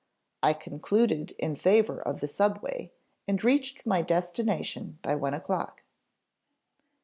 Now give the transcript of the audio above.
I concluded in favor of the subway, and reached my destination by one o'clock."